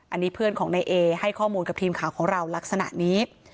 อันนี้เพื่อนของนายเอให้ข้อมูลกับทีมข่าวของเราลักษณะนี้